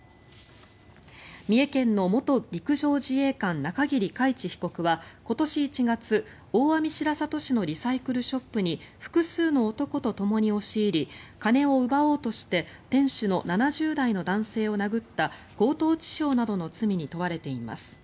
三重県の元陸上自衛官中桐海知被告は今年１月大網白里市のリサイクルショップに複数の男とともに押し入り金を奪おうとして店主の７０代の男性を殴った強盗致傷などの罪に問われています。